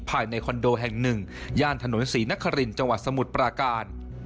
ภายในคอนโดแห่งหนึ่งย่านถนนศรีนครินจังหวัดสมุทรปราการ